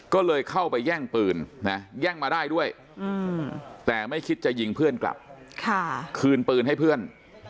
ก็เลยเข้าไปแย่งปืนนะแย่งมาได้ด้วยแต่ไม่คิดจะยิงเพื่อนกลับคืนปืนให้เพื่อน